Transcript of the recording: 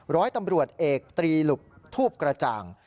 ร้อยตำรวจเอกตรีหลุกทูบกระจ่าง